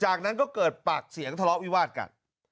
จากนั้นก็เกิดปากเสียงทะเลาะวิวาดกัน